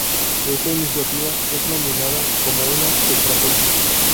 Esta iniciativa es nominada como una estrategia.